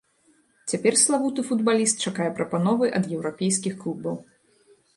Цяпер славуты футбаліст чакае прапановы ад еўрапейскіх клубаў.